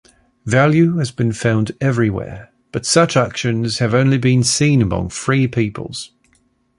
Value has been found everywhere, but such actions have only been seen among free peoples.